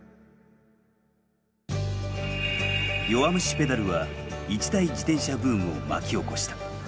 「弱虫ペダル」は一大自転車ブームを巻き起こした。